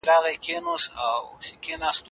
مجلس په بیړني حالت کي څه کوي؟